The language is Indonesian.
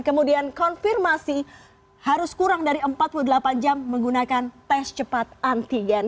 kemudian konfirmasi harus kurang dari empat puluh delapan jam menggunakan tes cepat antigen